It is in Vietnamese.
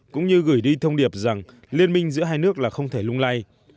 cũng như gửi đi thông điệp rằng liên minh giữa hai nước là không thể lung lay